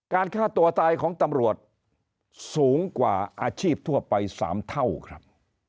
ฆ่าตัวตายของตำรวจสูงกว่าอาชีพทั่วไป๓เท่าครับ